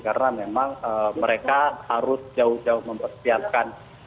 karena memang mereka harus jauh jauh mempersiapkan